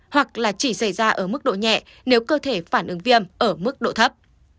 hoặc là chỉ xảy ra ở mức độ nhẹ nếu cơ thể phản ứng viêm ở mức độ thấp